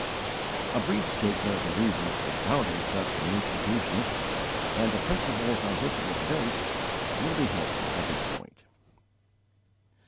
A brief statement of the reasons for founding such an institution, and the principles on which it was based, will be helpful at this point.